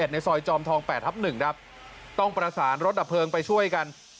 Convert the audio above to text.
ในซอยจอมทอง๘ทับ๑ครับต้องประสานรถดับเพลิงไปช่วยกัน